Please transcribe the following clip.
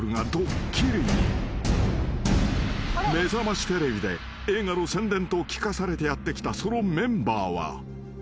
［『めざましテレビ』で映画の宣伝と聞かされてやって来たそのメンバーは］